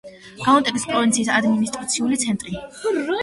გაუტენგის პროვინციის ადმინისტრაციული ცენტრი.